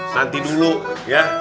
nanti dulu ya